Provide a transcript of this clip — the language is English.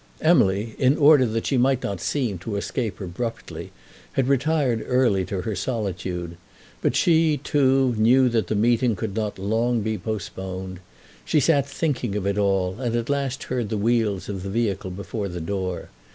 Emily, in order that she might not seem to escape abruptly, had retired early to her solitude. But she, too, knew that the meeting could not be long postponed. She sat thinking of it all, and at last heard the wheels of the vehicle before the door.